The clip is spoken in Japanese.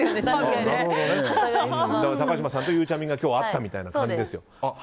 高嶋さんとゆうちゃみが今日会ったみたいな感じですよ。